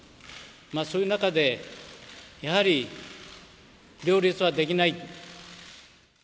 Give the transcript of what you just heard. そういう中で、やはり両立はできない。